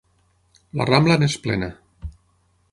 La Rambla n'és plena.